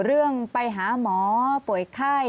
ลุงเอี่ยมอยากให้อธิบดีช่วยอะไรไหม